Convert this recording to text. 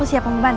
aku siap ngebantu